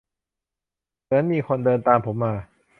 เหมือนมีคนเดินตามผมมา